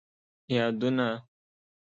یادونه